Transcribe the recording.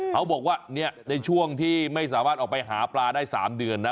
เขาบอกว่าในช่วงที่ไม่สามารถออกไปหาปลาได้๓เดือนนะ